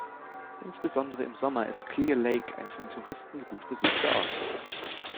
Insbesondere im Sommer ist Clear Lake ein von Touristen gut besuchter Ort.